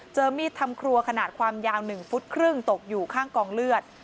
มีดทำครัวขนาดความยาว๑ฟุตครึ่งตกอยู่ข้างกองเลือด